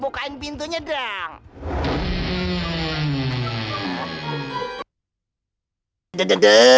bukain pintunya dong